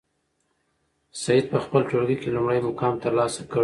سعید په خپل ټولګي کې لومړی مقام ترلاسه کړ.